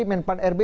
men pan rb